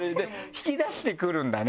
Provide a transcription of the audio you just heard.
引き出してくるんだね。